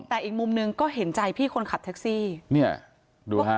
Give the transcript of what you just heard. แต่อีกมุมหนึ่งก็เห็นใจพี่คนขับแท็กซี่เนี่ยดูฮะ